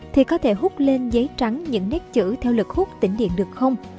thì có thể hút lên giấy trắng những nét chữ theo lực khúc tỉnh điện được không